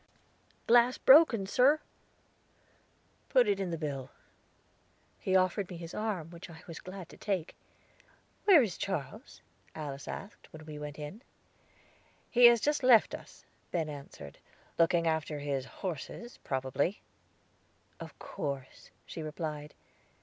"Glass broken, sir." "Put it in the bill." He offered me his arm, which I was glad to take. "Where is Charles?" Alice asked, when we went in. "He has just left us," Ben answered; "looking after his horses, probably." "Of course," she replied.